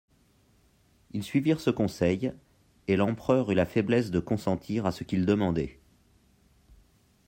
Ils suivirent ce conseil, et l'empereur eut la faiblesse de consentir à ce qu'ils demandaient.